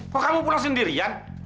kok kamu pulang sendirian